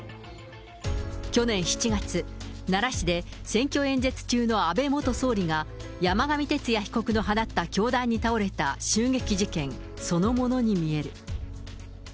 去年７月、奈良市で選挙演説中の安倍元総理が山上徹也被告の放った凶弾に倒れた襲撃事件そのものに見える。